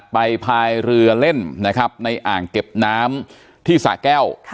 พายเรือเล่นนะครับในอ่างเก็บน้ำที่สะแก้ว